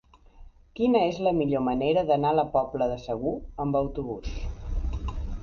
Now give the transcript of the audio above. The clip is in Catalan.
Quina és la millor manera d'anar a la Pobla de Segur amb autobús?